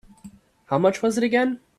How much was it again?